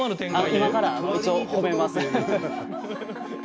今から一応褒めます。